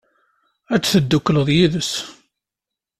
Ad teddukleḍ yid-s?